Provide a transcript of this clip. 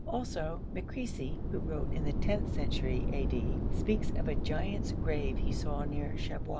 Also Makrisi, who wrote in the tenth century, a.d., speaks of a giant's grave he saw near Shabwa.